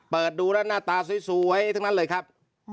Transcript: เปิดดูแล้วหน้าตาสวยทั้งนั้นเลยครับ